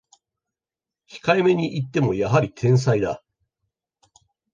控えめに言ってもやはり天才だ